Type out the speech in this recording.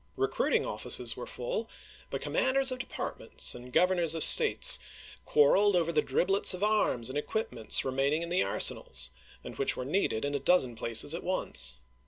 Recruiting offices were full ; but commanders of departments and Governors of States quarreled over the dribblets of arms and equipments remaining in the arsenals, and which were needed in a dozen places at once.